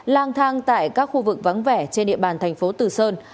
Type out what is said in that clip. lang thang tại các khu vực vắng vẻ trên địa bàn thành phố từ sơn